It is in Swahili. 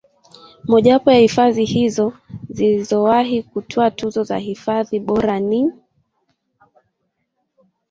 Mojawapo ya hifadhi hizo zilizowahi kutwaa tuzo za hifadhi bora ni